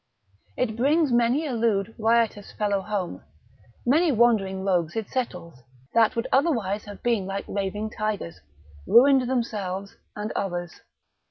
It brings many a lewd, riotous fellow home, many wandering rogues it settles, that would otherwise have been like raving tigers, ruined themselves and others.